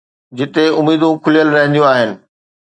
جتي اميدون کليل رهنديون آهن.